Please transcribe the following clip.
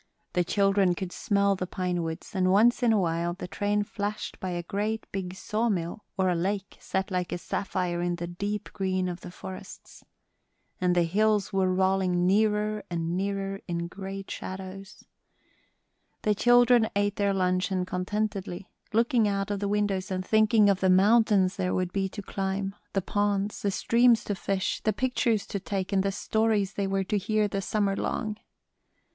The children could smell the pine woods, and once in a while the train flashed by a great big sawmill, or a lake set like a sapphire in the deep green of the forests. And the hills were rolling nearer and nearer in great shadows. The children ate their luncheon contentedly, looking out of the windows and thinking of the mountains there would be to climb, the ponds, the streams to fish, the pictures to take, and the stories they were to hear the summer long.